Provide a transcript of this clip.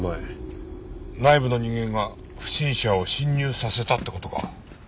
内部の人間が不審者を侵入させたって事か？